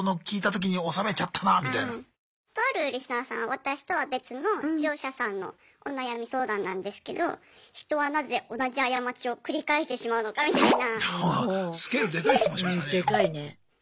私とは別の視聴者さんのお悩み相談なんですけど人はなぜ同じ過ちを繰り返してしまうのかみたいな。